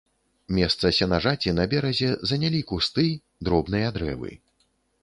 Месца сенажаці на беразе занялі кусты, дробныя дрэвы.